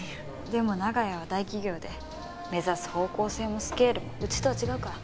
でも長屋は大企業で目指す方向性もスケールもうちとは違うから。